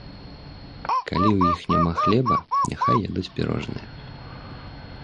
Калі ў іх няма хлеба, няхай ядуць пірожныя!